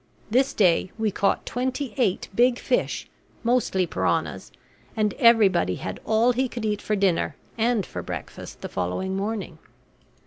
This day we caught twenty eight big fish, mostly piranhas, and everybody had all he could eat for dinner, and for breakfast the following morning.